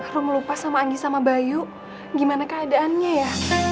kamu lupa sama anggi sama bayu gimana keadaannya ya